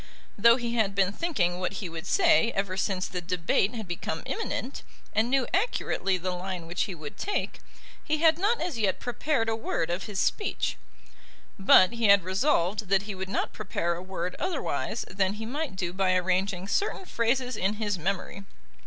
Though he had been thinking what he would say ever since the debate had become imminent, and knew accurately the line which he would take, he had not as yet prepared a word of his speech. But he had resolved that he would not prepare a word otherwise than he might do by arranging certain phrases in his memory.